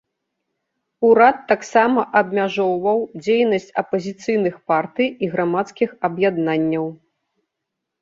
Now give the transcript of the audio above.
Урад таксама абмяжоўваў дзейнасць апазіцыйных партый і грамадскіх аб'яднанняў.